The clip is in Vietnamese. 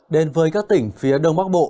đến với các tỉnh phía đông bắc bộ